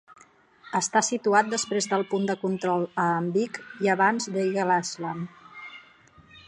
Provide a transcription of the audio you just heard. Està situat després del punt de control a Anvik i abans d'Eagle Island.